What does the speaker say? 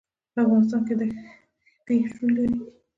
په افغانستان کې ښتې شتون لري.